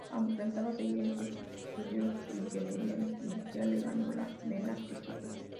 Aunque pensaba seguir estudios de Ingeniería Industrial, le ganó la vena artística.